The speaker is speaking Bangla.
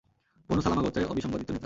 বনু সালামা গোত্রের অবিসংবাদিত নেতা।